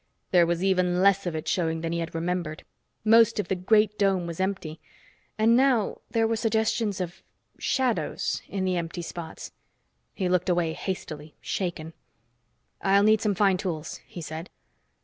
There was even less of it showing than he had remembered. Most of the great dome was empty. And now there were suggestions of ... shadows ... in the empty spots. He looked away hastily, shaken. "I'll need some fine tools," he said.